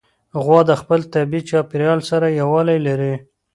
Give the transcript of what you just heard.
غوا د خپل طبیعي چاپېریال سره یووالی لري.